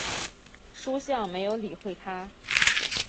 叔向没有理会他。